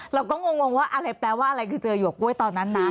เราก็งงวงว่าแปลว่าอะไรคือเจอหยวกกล้วยตอนนั้นนะ